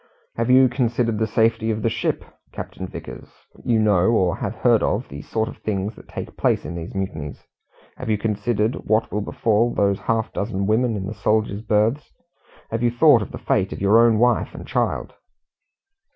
"Have you considered the safety of the ship, Captain Vickers? You know, or have heard of, the sort of things that take place in these mutinies. Have you considered what will befall those half dozen women in the soldiers' berths? Have you thought of the fate of your own wife and child?"